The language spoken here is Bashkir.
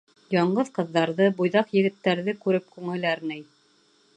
Яңғыҙ ҡыҙҙарҙы, буйҙаҡ егеттәрҙе күреп күңел әрней.